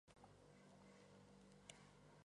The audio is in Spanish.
Un fenómeno similar ocurría con los verbos.